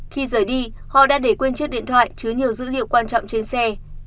khi rời đi họ đã để quên chiếc điện thoại chứa nhiều dữ liệu quan trọng trên xe